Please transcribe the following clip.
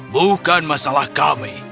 bukan masalah kami